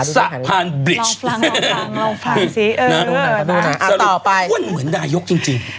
สะพานบริจสะพานสิเออสรุปก้นเหมือนดายกจริง